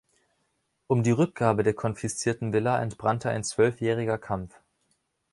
Um die Rückgabe der konfiszierten Villa entbrannte ein zwölfjähriger Kampf.